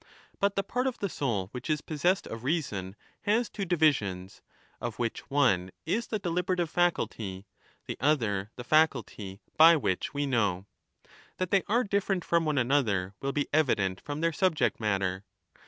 But the part of the soul which is possessed of reason has two divisions, of which one is the deliberative faculty, the other the faculty by which we know. That they are different from one another will be evident from their subject matter.